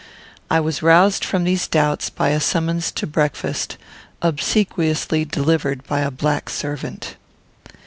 I was roused from these doubts by a summons to breakfast, obsequiously delivered by a black servant.